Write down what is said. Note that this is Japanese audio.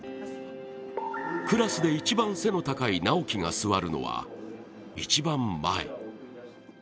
クラスで一番背の高い直喜が座るのは一番前。